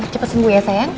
cepat sembuh ya sayang